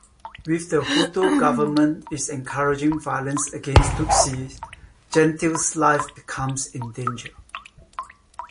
With the Hutu government is encouraging violence against Tutsis, Gentille's life becomes in danger.